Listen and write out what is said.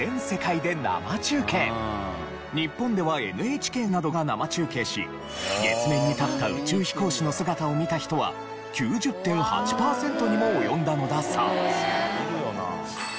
日本ではＮＨＫなどが生中継し月面に立った宇宙飛行士の姿を見た人は９０．８パーセントにも及んだのだそう。